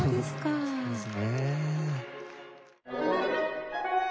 そうですか。